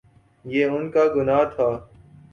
یہ ان کا گناہ تھا۔